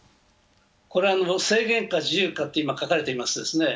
これ制限か自由かと書かれていますね。